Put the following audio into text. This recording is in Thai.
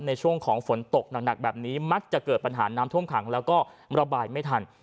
ในช่วงของฝนตกหนักแบบนี้มักจะเกิดปัญหาน้ำท่วมขังแล้วก็ระบายไม่ทัน